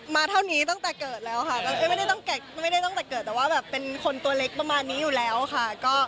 มาเท่านี้ตั้งแต่เกิดแล้วค่ะ